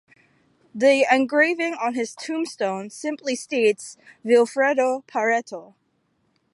The engraving on his tombstone simply states "Vil-Fredo Pareto".